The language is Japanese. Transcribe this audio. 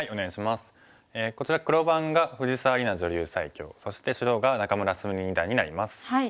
こちら黒番が藤沢里菜女流最強そして白が仲邑菫二段になります。